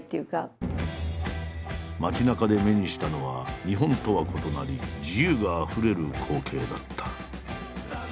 街なかで目にしたのは日本とは異なり自由があふれる光景だった。